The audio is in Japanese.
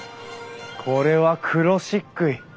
これは黒漆喰！